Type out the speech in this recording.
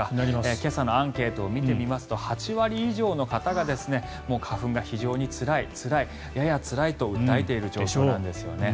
今朝のアンケートを見てみますと８割以上の方がもう花粉が非常につらい、つらいややつらいと訴えている状態なんです。